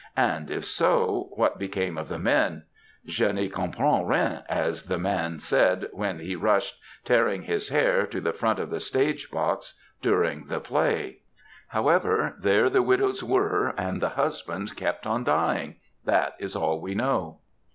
And if so, what became of the men ?^^ Je tCy camprends rieni'' as the man said when he rushed, tearing his hair, to the front of the stage box during the play ! However, there the widows were, and the husbands kept on dying. That is all we know.